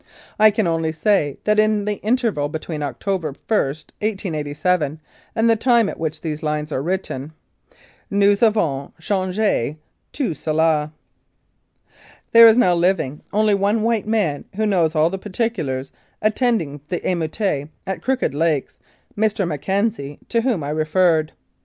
I can only say that in the interval between October i, 1887, and the time at which these lines are written, "Nous avons change tout cela." There is now living only one white man who knows all the particulars attending the emeute at Crooked Lakes Mr. McKenzie, to whom I have referred.